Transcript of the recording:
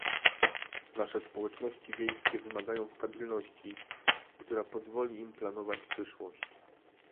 Nasze społeczności wiejskie wymagają stabilności, która pozwoli im planować przyszłość